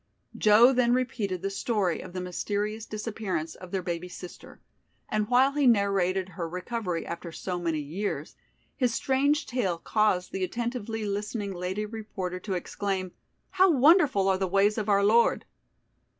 Joe then repeated the story of the mysterious disappearance of their baby sister, and while he narrated her recovery after so many years, his strange tale caused the attentively listening lady reporter to exclaim: "How wonderful are the ways of our Lord."